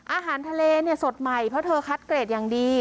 อาหารทะเลเนี่ยสดใหม่เพราะเธอคัดเกรดอย่างดี